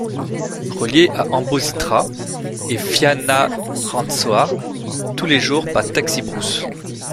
Reliée à Ambositra et Fianarantsoa: tous les jours par taxi-brousses.